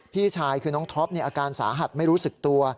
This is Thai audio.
พี่ชายคือน้องท็อปอาการสาหัสไม่รู้สึกตัว